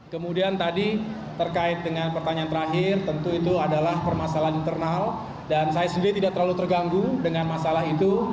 kemudian tadi terkait dengan pertanyaan terakhir tentu itu adalah permasalahan internal dan saya sendiri tidak terlalu terganggu dengan masalah itu